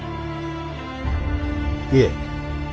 いえ。